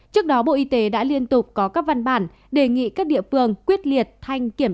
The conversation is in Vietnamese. trước đó bộ y tế đã liên tục có các văn bản đề nghị các địa phương quyết liệt thanh kiểm